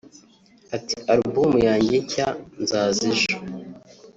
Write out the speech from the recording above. Ati “Album yanjye nshya "Nzaza ejo"